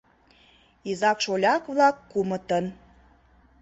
Изак-шоляк-влак кумытын